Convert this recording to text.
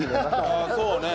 ああそうね。